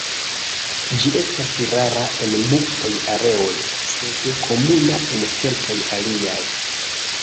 Ĝi estas rara en multaj areoj, sed komuna en kelkaj aliaj.